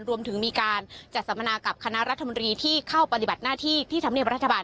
รวมถึงมีการจัดสัมมนากับคณะรัฐมนตรีที่เข้าปฏิบัติหน้าที่ที่ธรรมเนียบรัฐบาล